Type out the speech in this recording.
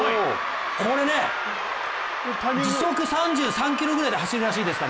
これね、時速３３キロぐらいで、走るらしいですよ。